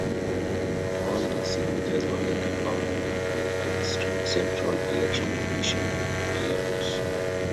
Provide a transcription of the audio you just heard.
All these signatures were later found invalid by the Central Election Commission of Belarus.